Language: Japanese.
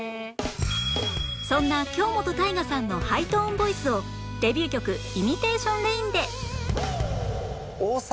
そんな京本大我さんのハイトーンボイスをデビュー曲『ＩｍｉｔａｔｉｏｎＲａｉｎ』で